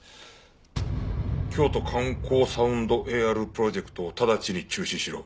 「京都観光サウンドＡＲプロジェクトをただちに中止しろ」